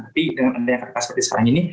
tapi dengan adanya kereta seperti sekarang ini